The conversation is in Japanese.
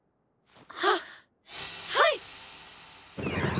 はっはい！